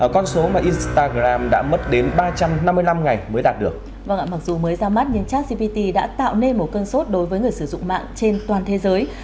chắc gpt đã tạo nên một cơn sốt đối với người sử dụng mạng trên toàn thế giới